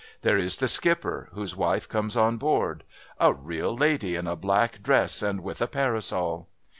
There is the skipper, whose wife comes on board, "A real lady, in a black dress and with a parasol."...